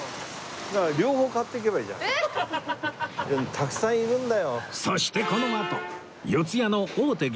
たくさんいるんだよ。